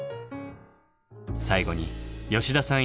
最後に吉田さん